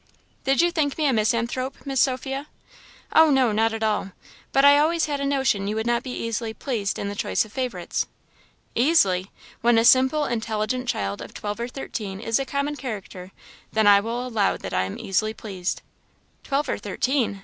"Did you think me a misanthrope, Miss Sophia?" "Oh, no, not at all; but I always had a notion you would not be easily pleased in the choice of favourites." "Easily! When a simple, intelligent child of twelve or thirteen is a common character, then I will allow that I am easily pleased." "Twelve or thirteen!"